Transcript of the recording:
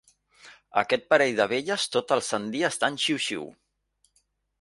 Aquest parell de velles tot el sant dia estan xiu-xiu.